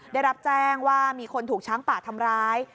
ได้รับแจ้งว่ามีคนถูกช้างป่าทำร้าย